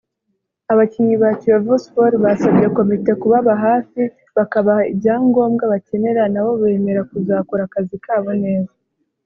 Abakinnyi ba Kiyovu Sports basabye komite kubaba hafi bakabaha ibyangombwa bakenera nabo bemera kuzakora akazi kabo neza